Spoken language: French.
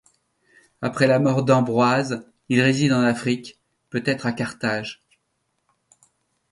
Après la mort d'Ambroise, il réside en Afrique, peut-être à Carthage.